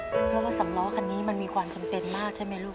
เพราะว่าสำล้อคันนี้มันมีความจำเป็นมากใช่ไหมลูก